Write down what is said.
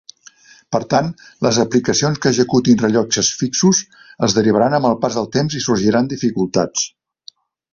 Per tant, les aplicacions que executin rellotges fixos es derivaran amb el pas del temps i sorgiran dificultats.